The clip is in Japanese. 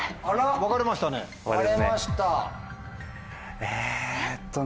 分かれましたね。